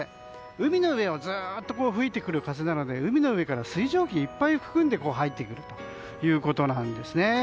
海の上をずっと吹いてくる風なので海の上から水蒸気をいっぱい含んで入ってくるということです。